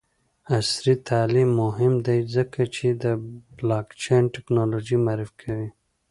عصري تعلیم مهم دی ځکه چې د بلاکچین ټیکنالوژي معرفي کوي.